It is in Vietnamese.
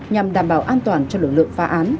nhằm đảm bảo an toàn cho lực lượng phá án